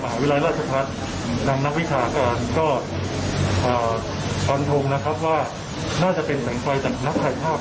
อัศวินาหลายท่านพี่เศษข่าวตรงนี้นะครับให้ใช้วิจารณญาณ